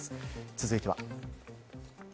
続いては。